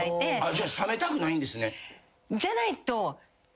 じゃあさめたくないんですね？